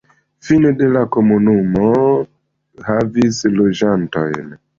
Fine de la komunumo havis loĝantojn..